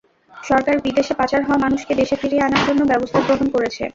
সরকার বিদেশে পাচার হওয়া মানুষকে দেশে ফিরিয়ে আনার জন্য ব্যবস্থা গ্রহণ করেছে।